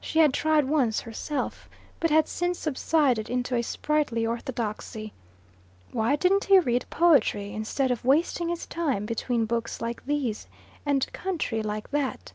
She had tried once herself, but had since subsided into a sprightly orthodoxy. Why didn't he read poetry, instead of wasting his time between books like these and country like that?